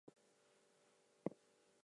How is your cold, Meg?